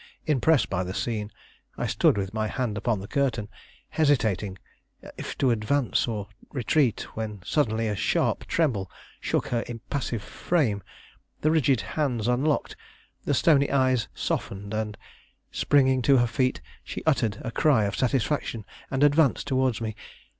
Impressed by the scene, I stood with my hand upon the curtain, hesitating if to advance or retreat, when suddenly a sharp tremble shook her impassive frame, the rigid hands unlocked, the stony eyes softened, and, springing to her feet, she uttered a cry of satisfaction, and advanced towards me.